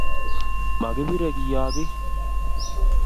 Makibarei kiyogii.